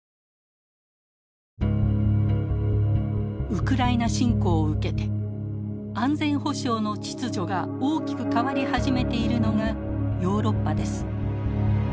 ウクライナ侵攻を受けて安全保障の秩序が大きく変わり始めているのがヨーロッパです。